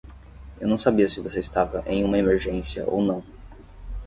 Eu não sabia se você estava em uma emergência ou não.